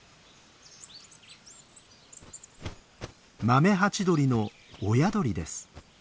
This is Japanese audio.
マメハチドリの親鳥です。